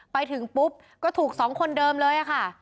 ไปถึงปุ๊บก็ถูก๒คนเดิมเลยค่ะ